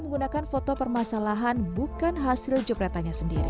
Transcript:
menggunakan foto permasalahan bukan hasil jepretannya sendiri